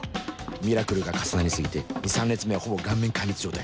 ミラクルが重なり過ぎて２３列目はほぼ顔面壊滅状態